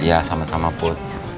iya sama sama put